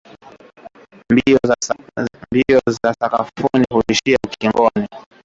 Mbio za sakafuni huishia ukingoni.